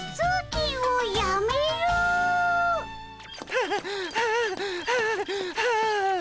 はあはあはあはあ。